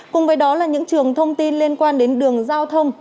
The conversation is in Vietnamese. cùng với đó là những trường thông tin liên quan đến đường giao thông